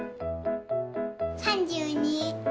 ３２。